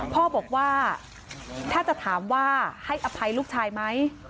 พ่อบอกว่าถ้าจะถามว่าให้อภัยลูกชายไหม